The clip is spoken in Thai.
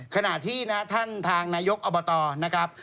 ขณะที่นะท่านทางนายกอบตนะครับ